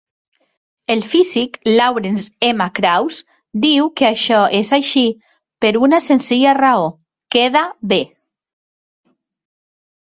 El físic Lawrence M. Krauss diu que això és així per una senzilla raó: queda bé.